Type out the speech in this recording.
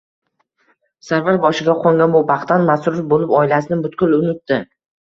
Sarvar boshiga qo`ngan bu baxtdan masrur bo`lib, oilasini butkul unutdi